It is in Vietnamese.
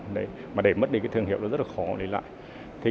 để mất đi thương hiệu đó rất khó để lại